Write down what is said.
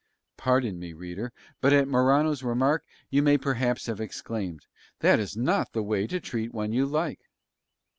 Pardon me, reader, but at Morano's remark you may perhaps have exclaimed, "That is not the way to treat one you like."